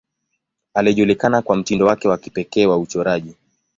Alijulikana kwa mtindo wake wa kipekee wa uchoraji.